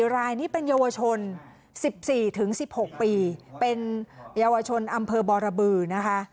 รายนี้เป็นเยาวชน๑๔๑๖ปีเป็นเยาวชนอำเภอบรบือนะคะ